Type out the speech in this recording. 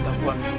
hadnung men je